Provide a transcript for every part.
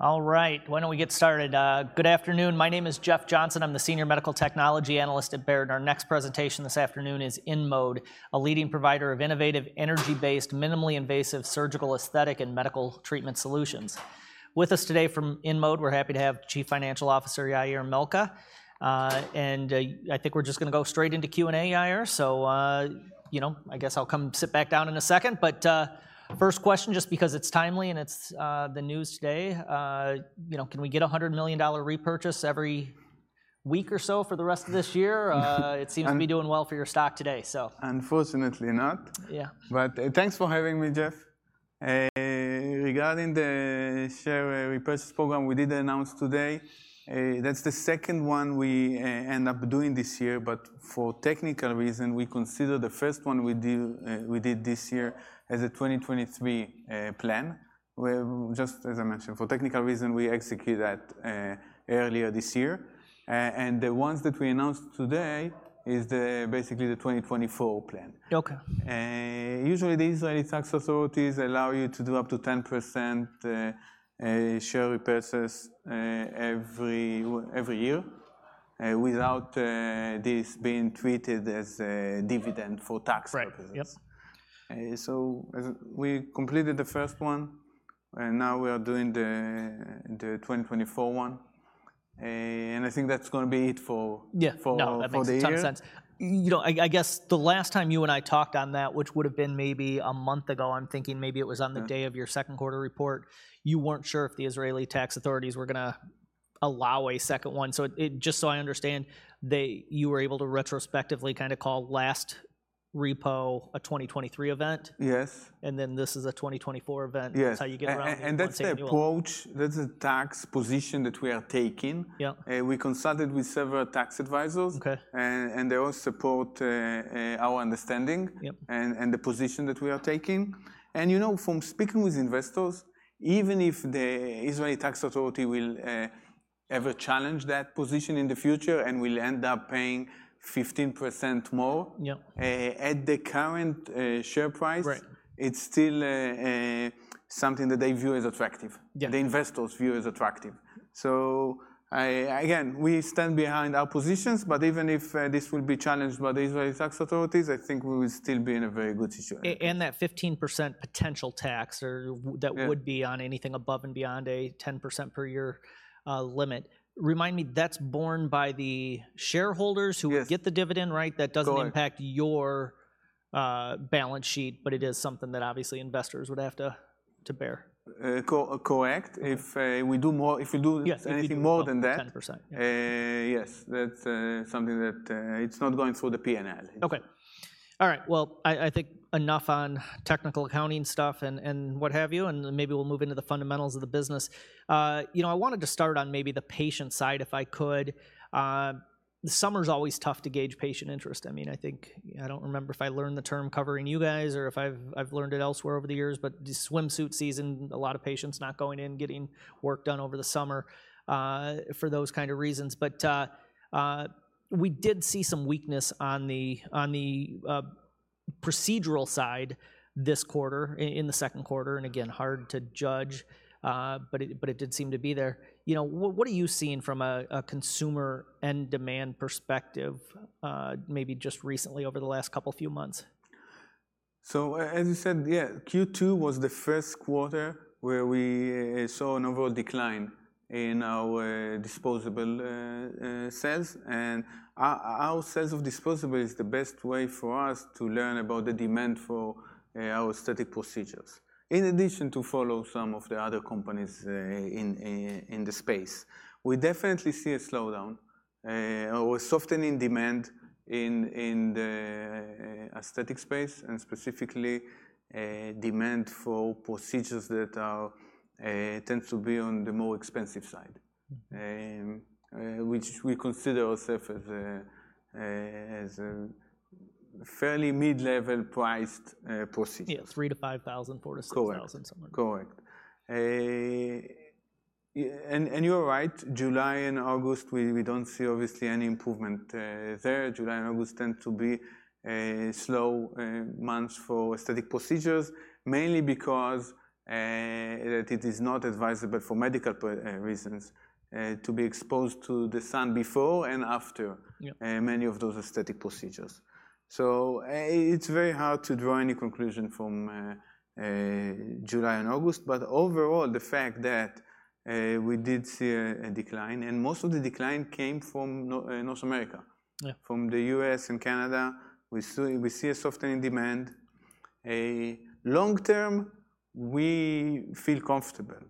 All right, why don't we get started? Good afternoon. My name is Jeff Johnson. I'm the Senior Medical Technology Analyst at Baird. Our next presentation this afternoon is InMode, a leading provider of innovative, energy-based, minimally invasive surgical, aesthetic, and medical treatment solutions. With us today from InMode, we're happy to have Chief Financial Officer Yair Malca. And I think we're just gonna go straight into Q&A, Yair. So you know, I guess I'll come sit back down in a second. But first question, just because it's timely and it's the news today, you know, can we get a $100 million repurchase every week or so for the rest of this year? Um- It seems to be doing well for your stock today, so. Unfortunately not. Yeah. But thanks for having me, Jeff. Regarding the share repurchase program, we did announce today. That's the second one we end up doing this year, but for technical reason, we consider the first one we did this year as a 2023 plan, where just as I mentioned, for technical reason, we execute that earlier this year. And the ones that we announced today is basically the 2024 plan. Okay. Usually the Israeli tax authorities allow you to do up to 10% share repurchase every year without this being treated as a dividend for tax purposes. Right. Yep. So as we completed the first one, and now we are doing the twenty twenty-four one. And I think that's gonna be it for- Yeah... for the year. No, that makes a ton of sense. You know, I, I guess the last time you and I talked on that, which would have been maybe a month ago, I'm thinking maybe it was on the- Yeah... day of your second quarter report, you weren't sure if the Israeli tax authorities were gonna allow a second one. So it just so I understand, they, you were able to retrospectively kind of call last repo a 2023 event? Yes. This is a 2024 event. Yes. That's how you get around the same rule. That's the approach, that's the tax position that we are taking. Yep. We consulted with several tax advisors. Okay. They all support our understanding... Yep... and the position that we are taking. You know, from speaking with investors, even if the Israeli Tax Authority will ever challenge that position in the future and will end up paying 15% more- Yep... at the current share price- Right... it's still something that they view as attractive. Yeah. The investors view as attractive. So again, we stand behind our positions, but even if this will be challenged by the Israeli tax authorities, I think we will still be in a very good situation. and that 15% potential tax or w- Yeah... that would be on anything above and beyond a 10% per year limit. Remind me, that's borne by the shareholders- Yes... who will get the dividend, right? Correct. That doesn't impact your balance sheet, but it is something that obviously investors would have to bear. Correct. Okay. If we do more, Yes, if you do-... anything more than that. Ten percent. Yes. That's something that it's not going through the P&L. Okay. All right, well, I think enough on technical accounting stuff and what have you, and then maybe we'll move into the fundamentals of the business. You know, I wanted to start on maybe the patient side, if I could. The summer is always tough to gauge patient interest. I mean, I don't remember if I learned the term covering you guys or if I've learned it elsewhere over the years, but the swimsuit season, a lot of patients not going in and getting work done over the summer, for those kind of reasons, but we did see some weakness on the procedural side this quarter, in the second quarter, and again, hard to judge, but it did seem to be there. You know, what are you seeing from a consumer and demand perspective, maybe just recently over the last couple few months? So as you said, yeah, Q2 was the first quarter where we saw an overall decline in our disposable sales. And our sales of disposable is the best way for us to learn about the demand for our aesthetic procedures, in addition to follow some of the other companies in the space. We definitely see a slowdown or a softening demand in the aesthetic space, and specifically demand for procedures that are tends to be on the more expensive side. Which we consider ourselves as a fairly mid-level priced procedure. Yeah, three to five thousand, four to six thousand- Correct. Somewhere. Correct. Yeah, and you are right. July and August, we don't see obviously any improvement there. July and August tend to be slow months for aesthetic procedures, mainly because that it is not advisable for medical reasons to be exposed to the sun before and after- Yeah... many of those aesthetic procedures. So, it's very hard to draw any conclusion from July and August, but overall, the fact that we did see a decline, and most of the decline came from North America. Yeah. From the U.S. and Canada, we see, we see a softening demand. Long term, we feel comfortable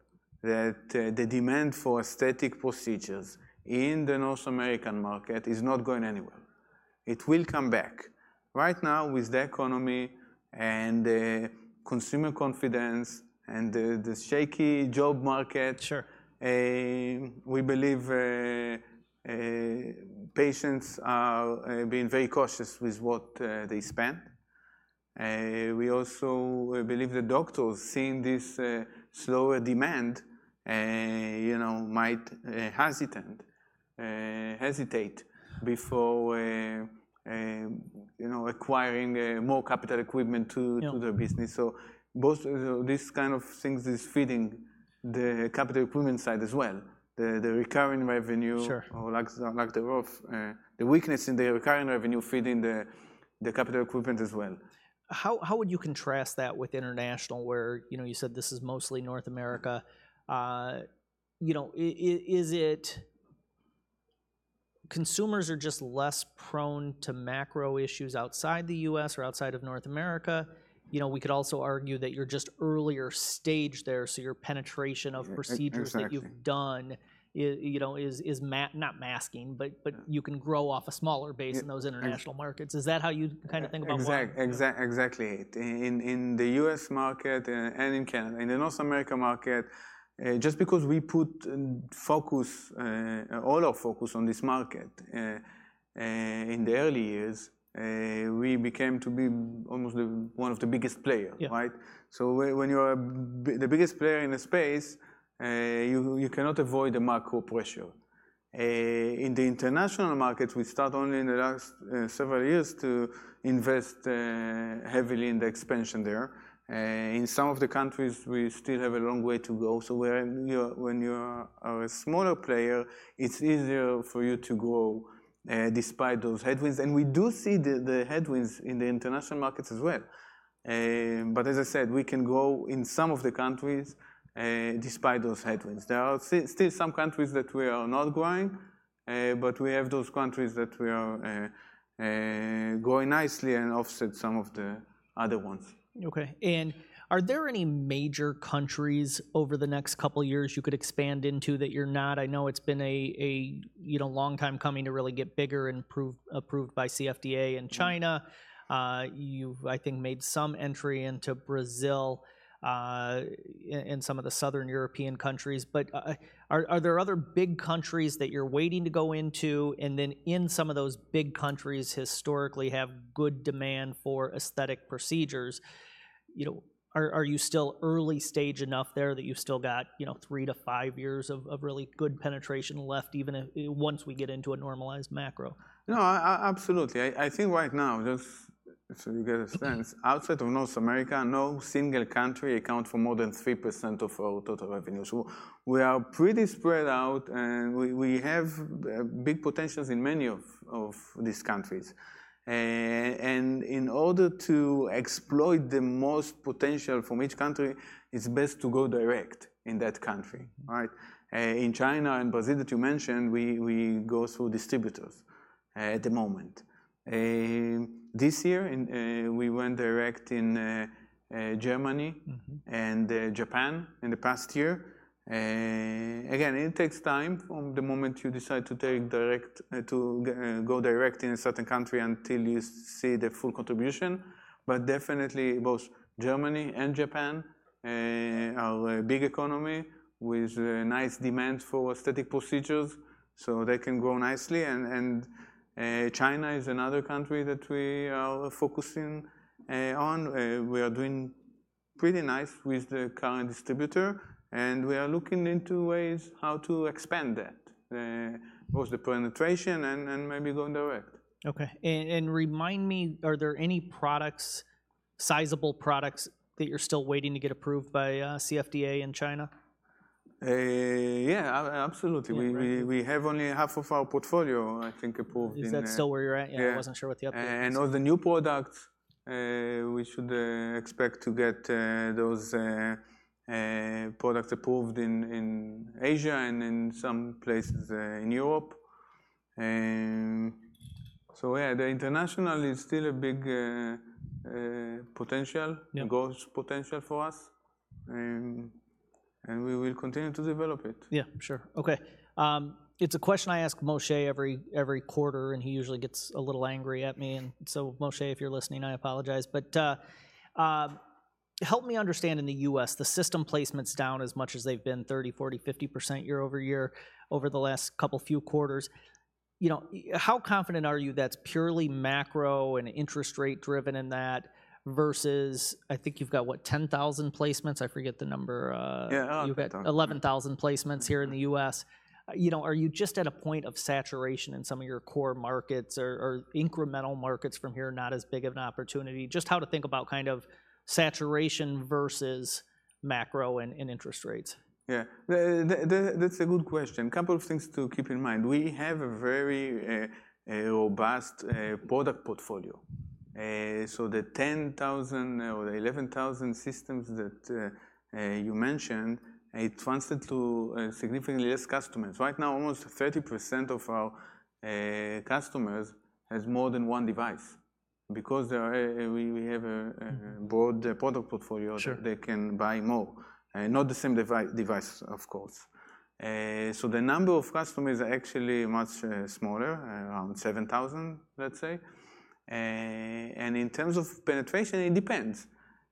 that the demand for aesthetic procedures in the North American market is not going anywhere. It will come back. Right now, with the economy and the consumer confidence and the shaky job market- Sure... we believe patients are being very cautious with what they spend. We also believe the doctors seeing this slower demand, you know, might hesitate before, you know, acquiring more capital equipment to- Yeah -to their business. So both of these kind of things is feeding the capital equipment side as well. The recurring revenue- Sure. or lack thereof, the weakness in the recurring revenue feeding the capital equipment as well. How would you contrast that with international, where, you know, you said this is mostly North America? You know, is it consumers are just less prone to macro issues outside the US or outside of North America? You know, we could also argue that you're just earlier stage there, so your penetration of procedures- Exactly that you've done, I, you know, is not masking, but- Yeah... but you can grow off a smaller base in those international markets. Y- Is that how you kind of think about life? Exactly. In the US market and in Canada, in the North America market, just because we put focus all our focus on this market in the early years, we became to be almost the one of the biggest player, right? Yeah. So when you are the biggest player in the space, you cannot avoid the macro pressure. In the international markets, we start only in the last several years to invest heavily in the expansion there. In some of the countries, we still have a long way to go. So when you are a smaller player, it's easier for you to grow despite those headwinds. And we do see the headwinds in the international markets as well. But as I said, we can grow in some of the countries despite those headwinds. There are still some countries that we are not growing, but we have those countries that we are growing nicely and offset some of the other ones. Okay. And are there any major countries over the next couple years you could expand into that you're not? I know it's been a, you know, long time coming to really get bigger and approved by CFDA in China. Mm-hmm. You've, I think, made some entry into Brazil in some of the Southern European countries. But, are there other big countries that you're waiting to go into, and then in some of those big countries historically have good demand for aesthetic procedures? You know, are you still early stage enough there that you've still got, you know, three to five years of really good penetration left, even if... once we get into a normalized macro? No, absolutely. I think right now, just so you get a sense, outside of North America, no single country account for more than 3% of our total revenue. So we are pretty spread out, and we have big potentials in many of these countries. And in order to exploit the most potential from each country, it's best to go direct in that country, right? In China and Brazil, that you mentioned, we go through distributors at the moment. This year, we went direct in Germany- Mm-hmm... and, Japan in the past year. Again, it takes time from the moment you decide to take direct, to go direct in a certain country until you see the full contribution. But definitely both Germany and Japan are a big economy with a nice demand for aesthetic procedures, so they can grow nicely. And China is another country that we are focusing on. We are doing pretty nice with the current distributor, and we are looking into ways how to expand that, both the penetration and maybe going direct. Okay, and remind me, are there any products, sizable products, that you're still waiting to get approved by CFDA in China? Yeah, absolutely. Yeah, right. We have only half of our portfolio, I think, approved in... Is that still where you're at? Yeah. I wasn't sure what the update was. And all the new products, we should expect to get those products approved in Asia and in some places in Europe. And so yeah, the international is still a big potential- Yeah... growth potential for us. And we will continue to develop it. Yeah, sure. Okay, it's a question I ask Moshe every quarter, and he usually gets a little angry at me. And so Moshe, if you're listening, I apologize. But, help me understand in the U.S., the system placement's down as much as they've been 30%, 40%, 50% year over year, over the last couple few quarters. You know, how confident are you that's purely macro and interest rate driven in that, versus I think you've got, what, 10,000 placements? I forget the number. Yeah, uh-... you've had 11,000 placements here in the U.S. You know, are you just at a point of saturation in some of your core markets, or, or incremental markets from here not as big of an opportunity? Just how to think about kind of saturation versus macro and, and interest rates. Yeah. That’s a good question. Couple of things to keep in mind. We have a very robust product portfolio. So the 10,000 or the 11,000 systems that you mentioned translate to significantly less customers. Right now, almost 30% of our customers has more than one device. Because there are, we have a, a- Mm-hmm... broad product portfolio- Sure... they can buy more, not the same device, of course. So the number of customers are actually much smaller, around 7,000, let's say, and in terms of penetration, it depends.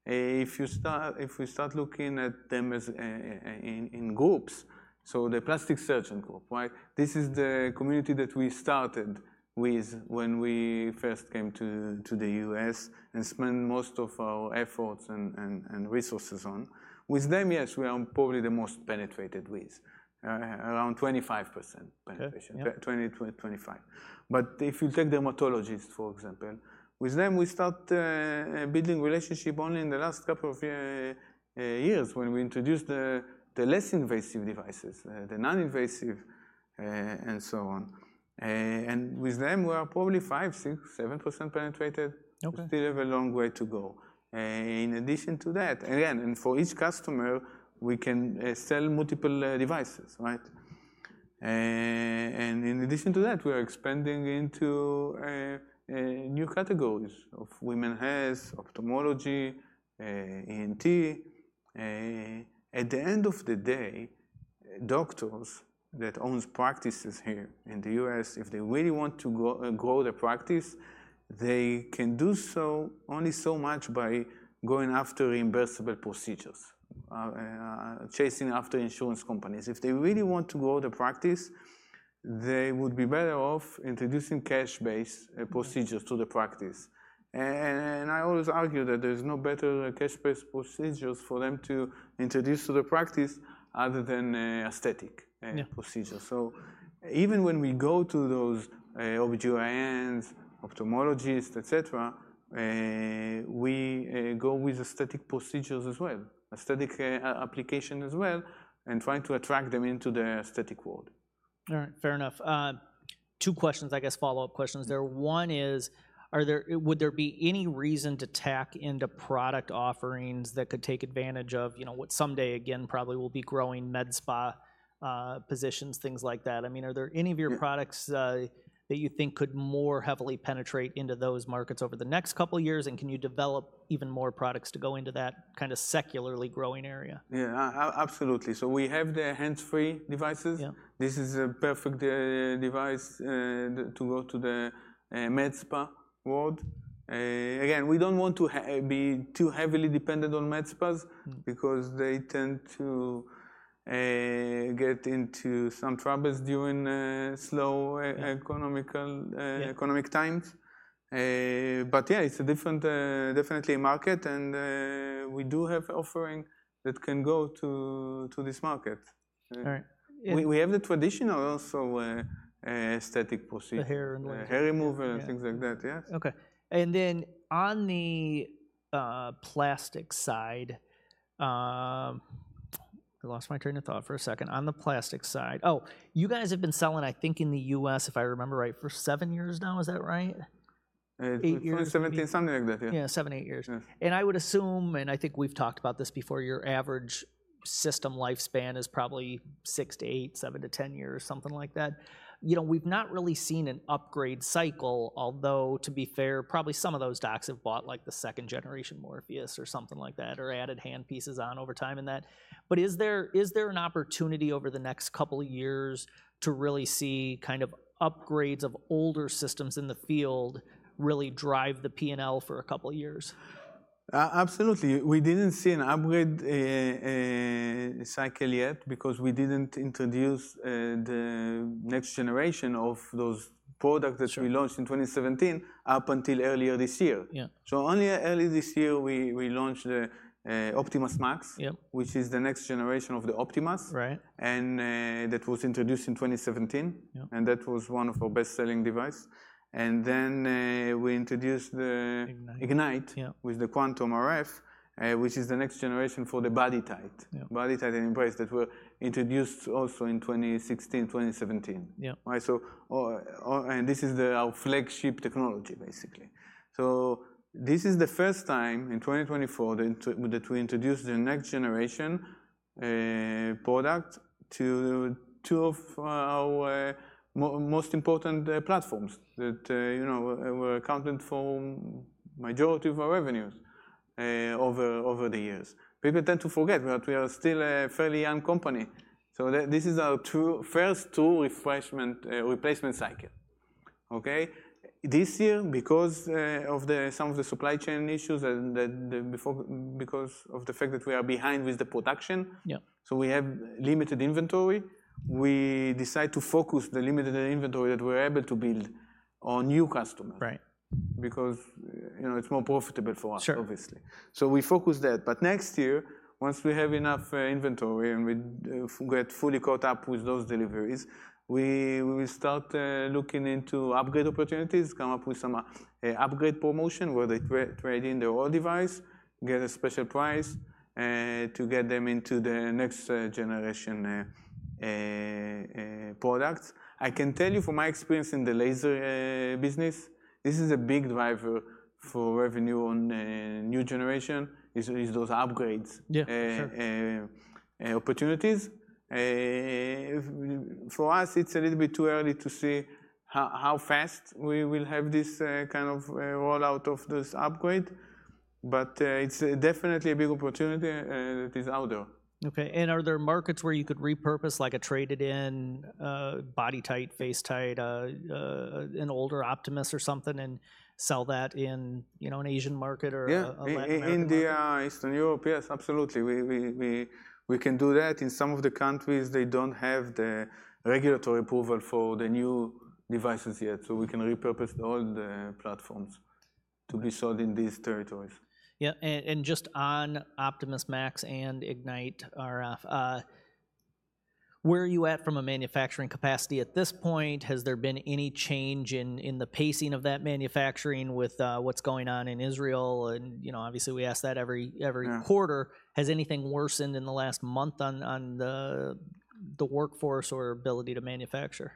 If you start, if we start looking at them as in groups, so the plastic surgeon group, right? This is the community that we started with when we first came to the U.S. and spent most of our efforts and resources on. With them, yes, we are probably the most penetrated with around 25% penetration. Okay, yeah. 20-25. But if you take dermatologists, for example, with them, we start building relationship only in the last couple of years when we introduced the less invasive devices, the non-invasive, and so on. And with them, we are probably 5-7% penetrated. Okay. We still have a long way to go. In addition to that, again, and for each customer, we can sell multiple devices, right? And in addition to that, we are expanding into new categories of women's health, ophthalmology, ENT. At the end of the day, doctors that owns practices here in the U.S., if they really want to grow their practice, they can do so only so much by going after reimbursable procedures, chasing after insurance companies. If they really want to grow the practice, they would be better off introducing cash-based procedures to the practice. And I always argue that there's no better cash-based procedures for them to introduce to the practice other than aesthetic- Yeah... procedures. So even when we go to those OB-GYNs, ophthalmologists, et cetera, we go with aesthetic procedures as well, aesthetic application as well, and trying to attract them into the aesthetic world. All right, fair enough. Two questions, I guess, follow-up questions there. One is, are there... Would there be any reason to tack into product offerings that could take advantage of, you know, what someday again, probably will be growing med spa positions, things like that? I mean, are there any of your products that you think could more heavily penetrate into those markets over the next couple of years, and can you develop even more products to go into that kind of secularly growing area? Yeah, absolutely, so we have the hands-free devices. Yeah. This is a perfect device to go to the med spa world. Again, we don't want to be too heavily dependent on med spas- Mm. - because they tend to get into some troubles during slow- Yeah... economical, Yeah... economic times. But yeah, it's a different, definitely a market, and we do have offering that can go to, to this market. All right. Yeah. We have the traditional also, aesthetic procedure. The hair removal. Hair removal and things like that, yeah. Okay. And then on the plastic side, I lost my train of thought for a second. On the plastic side. Oh, you guys have been selling, I think, in the U.S., if I remember right, for seven years now. Is that right? Eight years. 2017, something like that, yeah. Yeah, seven, eight years. Yeah. And I would assume, and I think we've talked about this before, your average system lifespan is probably six to eight, seven to ten years, something like that. You know, we've not really seen an upgrade cycle, although, to be fair, probably some of those docs have bought, like, the second generation Morpheus or something like that, or added hand pieces on over time and that. But is there, is there an opportunity over the next couple of years to really see kind of upgrades of older systems in the field really drive the P&L for a couple of years? Absolutely. We didn't see an upgrade cycle yet because we didn't introduce the next generation of those products- Sure... that we launched in 2017 up until earlier this year. Yeah. Only early this year, we launched the OptimasMAX. Yep... which is the next generation of the Optimas. Right. And, that was introduced in 2017. Yep. That was one of our best-selling device. Then we introduced the- Ignite... Ignite. Yeah. With the QuantumRF, which is the next generation for the BodyTite. Yeah. BodyTite Embrace that were introduced also in 2016, 2017. Yeah. This is our flagship technology, basically. This is the first time in 2024 that we introduce the next generation product to two of our most important platforms that you know were accounting for majority of our revenues over the years. People tend to forget that we are still a fairly young company, so this is our first two refreshment replacement cycle. Okay? This year, because of some of the supply chain issues and because of the fact that we are behind with the production- Yeah... so we have limited inventory. We decide to focus the limited inventory that we're able to build on new customers. Right. Because, you know, it's more profitable for us- Sure... obviously. So we focus that. But next year, once we have enough inventory and we get fully caught up with those deliveries, we start looking into upgrade opportunities, come up with some upgrade promotion, where they trade in their old device, get a special price to get them into the next generation products. I can tell you from my experience in the laser business, this is a big driver for revenue on new generation is those upgrades- Yeah, sure... opportunities. For us, it's a little bit too early to say how fast we will have this kind of rollout of this upgrade, but it's definitely a big opportunity, and it is out there. Okay, and are there markets where you could repurpose, like, a traded in BodyTite, FaceTite, an older Optimas or something, and sell that in, you know, an Asian market or- Yeah... a Latin American market? In India, Eastern Europe, yes, absolutely. We can do that. In some of the countries, they don't have the regulatory approval for the new devices yet, so we can repurpose the old platforms to be sold in these territories. Yeah, and just on OptimasMAX and IgniteRF, where are you at from a manufacturing capacity at this point? Has there been any change in the pacing of that manufacturing with what's going on in Israel? And, you know, obviously, we ask that every Yeah... quarter. Has anything worsened in the last month on the workforce or ability to manufacture?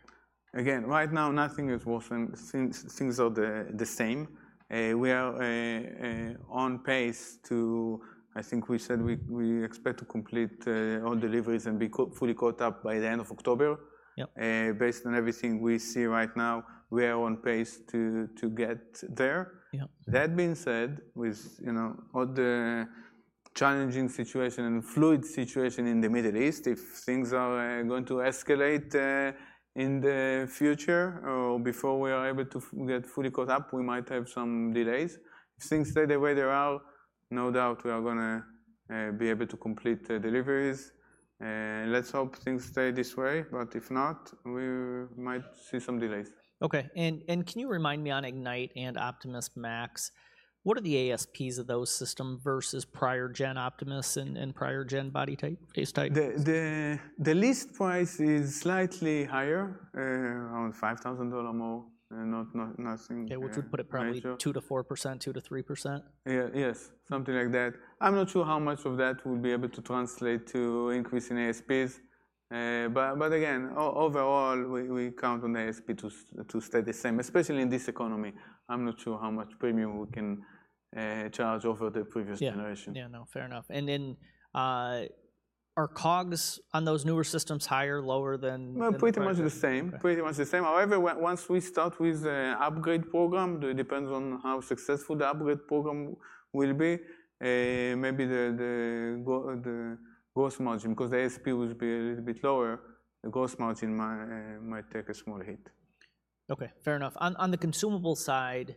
Again, right now, nothing is worsened. Things are the same. We are on pace to... I think we said we expect to complete all deliveries and be fully caught up by the end of October. Yep. Based on everything we see right now, we are on pace to get there. Yeah. That being said, with you know all the challenging situation and fluid situation in the Middle East, if things are going to escalate in the future or before we are able to get fully caught up, we might have some delays. If things stay the way they are, no doubt we are gonna be able to complete the deliveries, and let's hope things stay this way, but if not, we might see some delays. Okay. And can you remind me on Ignite and OptimasMAX, what are the ASPs of those systems versus prior gen Optimas and prior gen BodyTite, FaceTite? The list price is slightly higher, around $5,000 more, not nothing- Yeah, would you put it probably 2%-4%, 2%-3%? Yeah. Yes, something like that. I'm not sure how much of that we'll be able to translate to increase in ASPs. But again, overall, we count on ASP to stay the same, especially in this economy. I'm not sure how much premium we can charge over the previous generation. Yeah. Yeah, no, fair enough. And then, are COGS on those newer systems higher, lower than the previous? Pretty much the same. Okay. Pretty much the same. However, once we start with the upgrade program, it depends on how successful the upgrade program will be, maybe the gross margin, 'cause the ASP will be a little bit lower, the gross margin might take a small hit. Okay, fair enough. On the consumable side,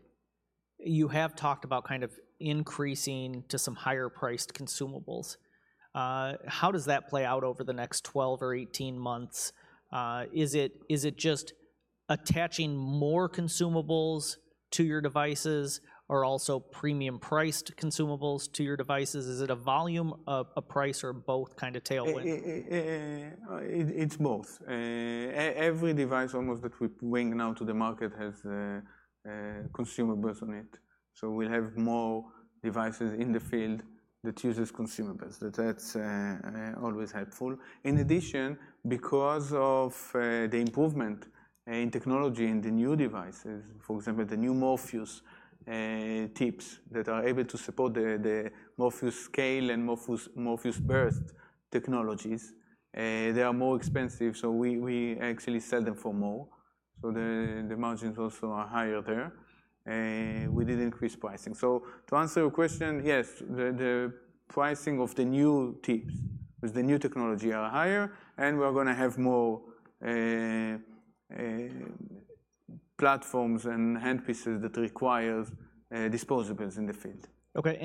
you have talked about kind of increasing to some higher priced consumables. How does that play out over the next twelve or eighteen months? Is it just attaching more consumables to your devices or also premium priced consumables to your devices? Is it a volume, a price, or both kind of tailwind? It's both. Every device almost that we're bringing now to the market has consumables on it, so we'll have more devices in the field that uses consumables. That's always helpful. In addition, because of the improvement in technology in the new devices, for example, the new Morpheus tips that are able to support the Morpheus8 and Morpheus Burst technologies, they are more expensive, so we actually sell them for more, so the margins also are higher there, and we did increase pricing. To answer your question, yes, the pricing of the new tips with the new technology are higher, and we are gonna have more platforms and handpieces that require disposables in the field. Okay.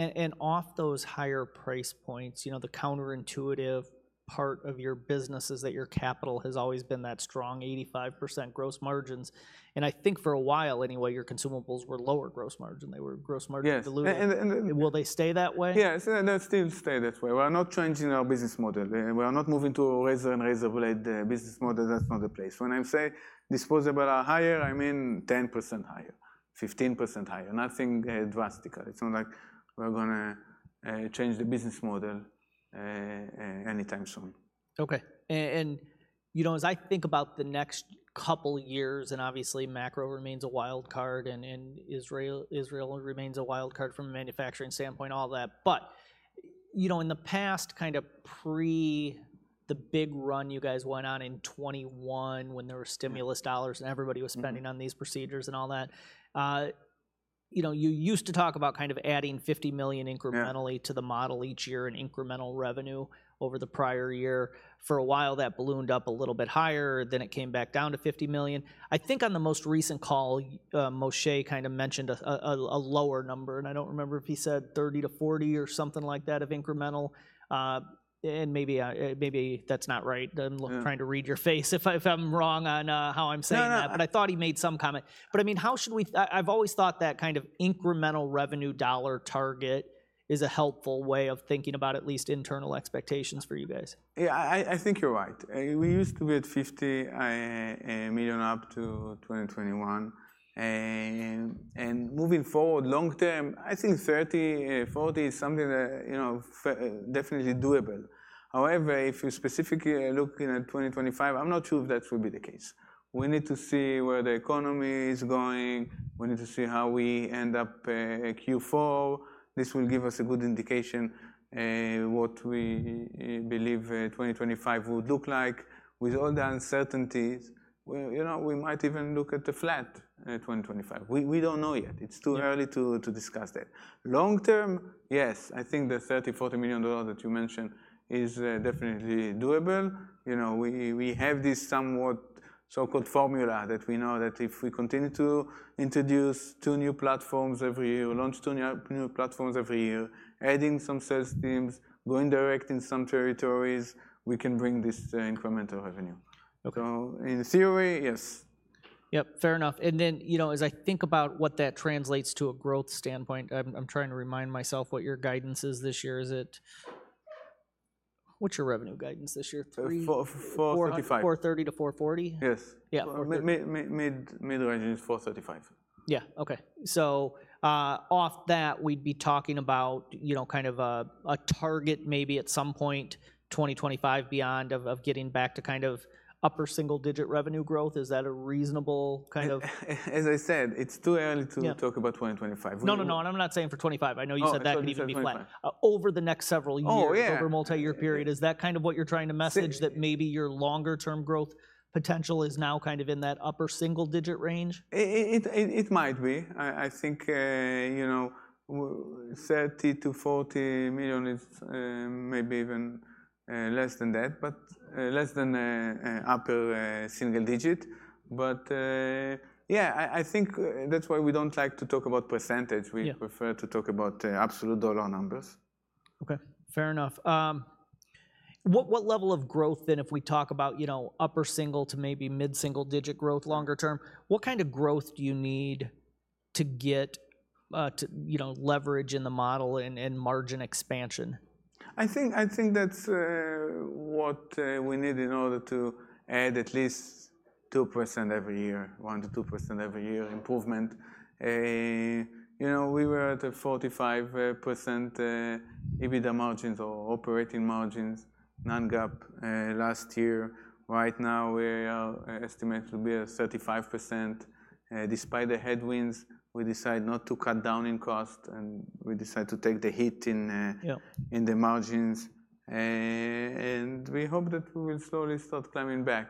Off those higher price points, you know, the counterintuitive part of your business is that your capital has always been that strong, 85% gross margins, and I think for a while anyway, your consumables were lower gross margin. They were gross margin diluted. Yes, and- Will they stay that way? Yes, and they'll still stay that way. We are not changing our business model. We are not moving to razor and razor blade business model. That's not the place. When I say disposables are higher, I mean 10% higher, 15% higher, nothing drastic. It's not like we're gonna change the business model anytime soon. Okay. You know, as I think about the next couple years, and obviously macro remains a wild card, and Israel remains a wild card from a manufacturing standpoint, all that. But, you know, in the past, kind of pre the big run you guys went on in 2021 when there were stimulus dollars and everybody was spending- Mm... on these procedures and all that, you know, you used to talk about kind of adding $50 million incrementally- Yeah... to the model each year in incremental revenue over the prior year. For a while, that ballooned up a little bit higher, then it came back down to $50 million. I think on the most recent call, Moshe kind of mentioned a lower number, and I don't remember if he said 30-40 or something like that of incremental. And maybe that's not right. Yeah. I'm trying to read your face, if I'm wrong on how I'm saying that. No, no, no. But I thought he made some comment. But I mean, how should we... I, I've always thought that kind of incremental revenue dollar target is a helpful way of thinking about at least internal expectations for you guys. Yeah, I think you're right. We used to be at $50 million up to 2021. Moving forward long term, I think $30-$40 is something that, you know, definitely doable. However, if you're specifically looking at 2025, I'm not sure if that will be the case. We need to see where the economy is going. We need to see how we end up Q4. This will give us a good indication what we believe 2025 would look like. With all the uncertainties, you know, we might even look at the flat in 2025. We don't know yet. It's too early to discuss that. Long term, yes, I think the $30-$40 million that you mentioned is definitely doable. You know, we have this somewhat so-called formula that we know that if we continue to introduce two new platforms every year, launch two new platforms every year, adding some sales teams, going direct in some territories, we can bring this incremental revenue. Okay. So in theory, yes. Yep, fair enough. And then, you know, as I think about what that translates to a growth standpoint, I'm trying to remind myself what your guidance is this year. Is it... What's your revenue guidance this year? Three- Four, four, forty-five. 4:30 to 4:40? Yes. Yeah. Mid-range is $435. Yeah. Okay. So, off that, we'd be talking about, you know, kind of a target maybe at some point, 2025 beyond, of getting back to kind of upper single-digit revenue growth. Is that a reasonable kind of- As I said, it's too early- Yeah... to talk about 2025. We- No, no, no, and I'm not saying for 2025. I know you said- No, not 2025.... that can even be flat. Over the next several years- Oh, yeah... over a multiyear period, is that kind of what you're trying to message? Yes... that maybe your longer-term growth potential is now kind of in that upper single-digit range? It might be. I think, you know, 30-40 million is maybe even less than that, but less than upper single digit. But yeah, I think that's why we don't like to talk about percentage. Yeah. We prefer to talk about absolute dollar numbers. Okay, fair enough. What level of growth then if we talk about, you know, upper single- to maybe mid-single-digit growth longer term? Yeah... what kind of growth do you need to get to, you know, leverage in the model and margin expansion? I think that's what we need in order to add at least 2% every year, 1%-2% every year improvement. You know, we were at a 45% EBITDA margins or operating margins non-GAAP last year. Right now, we are estimated to be at 35%. Despite the headwinds, we decided not to cut down in cost, and we decided to take the hit in. Yeah... in the margins. And we hope that we will slowly start climbing back.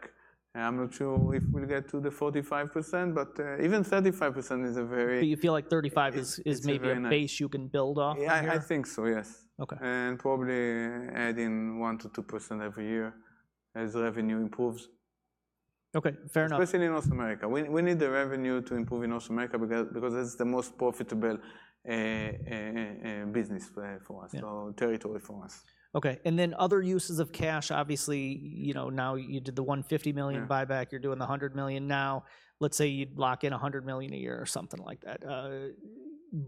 I'm not sure if we'll get to the 45%, but even 35% is a very- Do you feel like thirty-five is- It's a very nice-... is maybe a base you can build off here? Yeah, I think so, yes. Okay. Probably adding 1%-2% every year as revenue improves. Okay, fair enough. Especially in North America. We need the revenue to improve in North America because it's the most profitable business for us- Yeah... so territory for us. Okay, and then other uses of cash, obviously, you know, now you did the $150 million buyback. Yeah. You're doing the $100 million now. Let's say you lock in a $100 million a year or something like that,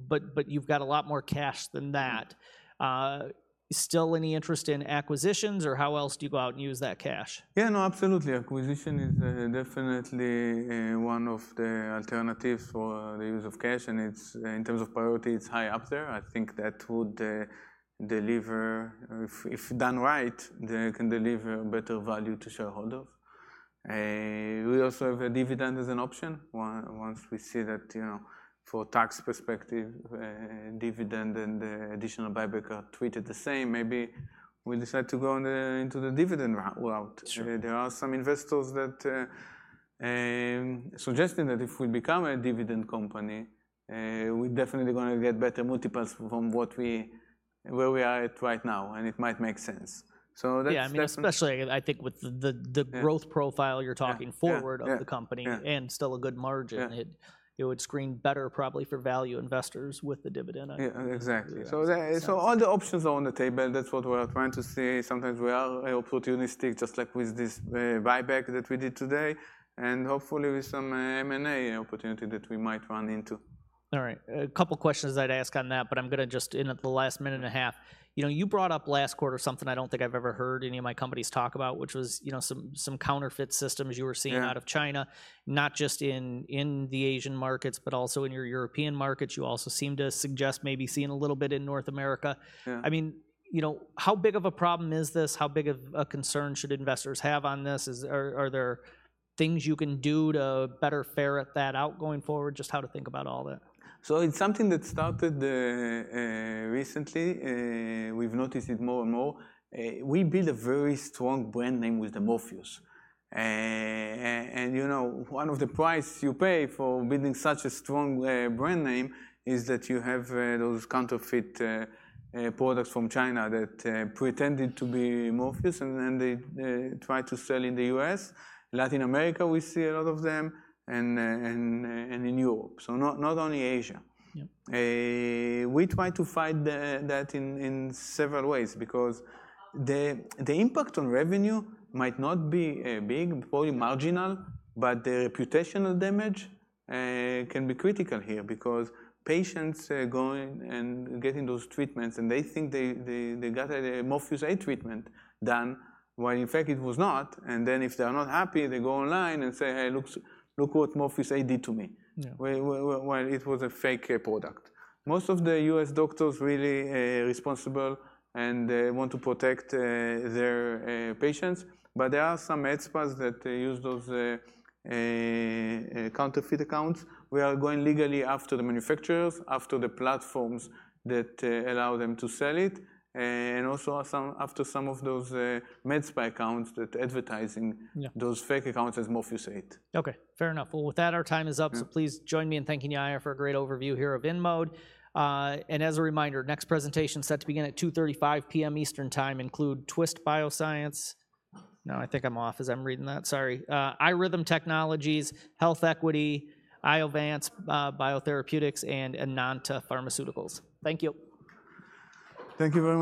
but you've got a lot more cash than that. Still any interest in acquisitions, or how else do you go out and use that cash? Yeah, no, absolutely. Acquisition is definitely one of the alternatives for the use of cash, and it's, in terms of priority, it's high up there. I think that would deliver, if done right, it can deliver better value to shareholders. We also have a dividend as an option. Once we see that, you know, for tax perspective, dividend and additional buyback are treated the same, maybe we decide to go on the, into the dividend route. Sure. There are some investors that suggesting that if we become a dividend company, we're definitely gonna get better multiples from where we are at right now, and it might make sense. So that's, that's- Yeah, I mean, especially I think with the- Yeah... the growth profile you're talking forward- Yeah, yeah, yeah... of the company. Yeah. Still a good margin. Yeah. It would screen better probably for value investors with the dividend, I think. Yeah, exactly. Yeah, that makes sense. So all the options are on the table. That's what we are trying to see. Sometimes we are opportunistic, just like with this buyback that we did today, and hopefully with some M&A opportunity that we might run into. All right. A couple questions I'd ask on that, but I'm gonna jump in at the last minute and a half. You know, you brought up last quarter something I don't think I've ever heard any of my companies talk about, which was, you know, some counterfeit systems you were seeing- Yeah... out of China, not just in the Asian markets, but also in your European markets. You also seemed to suggest maybe seeing a little bit in North America. Yeah. I mean, you know, how big of a problem is this? How big of a concern should investors have on this? Are there things you can do to better ferret that out going forward? Just how to think about all that. It's something that started recently. We've noticed it more and more. We built a very strong brand name with the Morpheus, and you know, one of the price you pay for building such a strong brand name is that you have those counterfeit products from China that pretended to be Morpheus, and then they try to sell in the U.S. In Latin America, we see a lot of them and in Europe, so not only Asia. Yeah. We try to fight that in several ways because the impact on revenue might not be big, probably marginal, but the reputational damage can be critical here. Because patients are going and getting those treatments, and they think they got a Morpheus8 treatment done, when in fact it was not, and then if they are not happy, they go online and say, "Hey, look what Morpheus8 did to me. Yeah. While it was a fake product. Most of the U.S. doctors really responsible and want to protect their patients, but there are some med spas that use those counterfeit accounts. We are going legally after the manufacturers, after the platforms that allow them to sell it, and also some, after some of those med spa accounts that advertising- Yeah... those fake accounts as Morpheus8. Okay, fair enough. Well, with that, our time is up. Yeah. So please join me in thanking Yair for a great overview here of InMode. And as a reminder, next presentation is set to begin at 2:35 P.M. Eastern Time, include Twist Bioscience. No, I think I'm off as I'm reading that, sorry. iRhythm Technologies, HealthEquity, Iovance Biotherapeutics, and Enanta Pharmaceuticals. Thank you. Thank you very much.